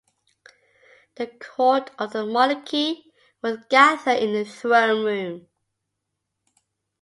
The court of the monarchy would gather in the throne room.